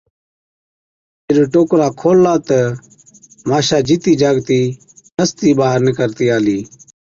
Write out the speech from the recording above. جِڏ ٽوڪرا کوللا تہ ماشا جِيتِي جاگتِي هَستِي ٻاهر نِڪرتِي آلِي۔